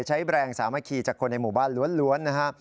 แบรนด์สามัคคีจากคนในหมู่บ้านล้วนนะฮะ